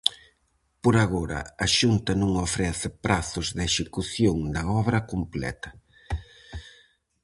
Por agora a Xunta non ofrece prazos de execución da obra completa.